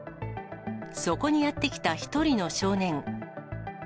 そこにやって来た１人の少年。